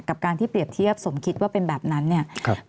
กับการที่เปรียบเทียบสมคิดว่าเป็นแบบนั้นเนี่ย